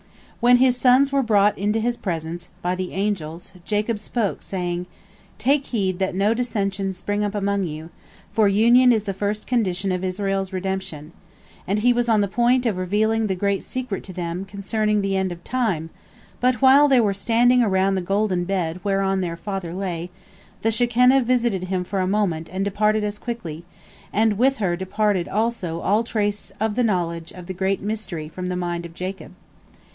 When his sons were brought into his presence by the angels, Jacob spoke, saying, "Take heed that no dissensions spring up among you, for union is the first condition of Israel's redemption," and he was on the point of revealing the great secret to them concerning the end of time, but while they were standing around the golden bed whereon their father lay, the Shekinah visited him for a moment and departed as quickly, and with her departed also all trace of the knowledge of the great mystery from the mind of Jacob.